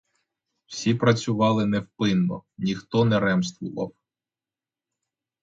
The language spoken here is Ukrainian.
Всі працювали невпинно, ніхто не ремствував.